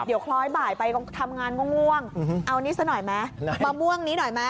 เดี๋ยวคล้อยบ่ายไปทำงานก็ง่วง